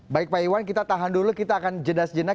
baik pak iwan kita tahan dulu kita akan jeda sejenak